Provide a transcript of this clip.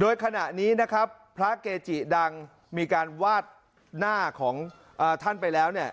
โดยขณะนี้นะครับพระเกจิดังมีการวาดหน้าของท่านไปแล้วเนี่ย